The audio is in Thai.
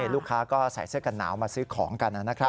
ลูกค้าก็ใส่เสื้อกันหนาวมาซื้อของกันนะครับ